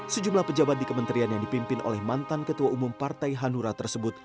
sejumlah pejabat di kementerian yang dipimpin oleh mantan ketua umum partai hanura tersebut